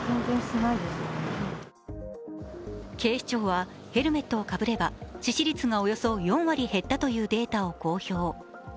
警視庁は、ヘルメットをかぶれば致死率がおよそ４割減ったというデータを公表。